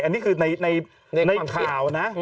อันนี้คือในข่าวนะ